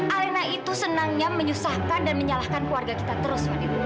alena itu senangnya menyusahkan dan menyalahkan keluarga kita terus